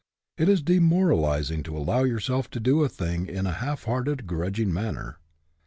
It is de moralizing to allow yourself to do a thing in a half hearted, grudging manner.